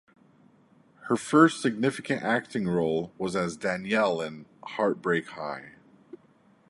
Her first significant acting role was as Danielle in "Heartbreak High".